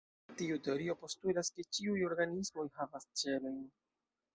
Tiu teorio postulas, ke ĉiuj organismoj havas ĉelojn.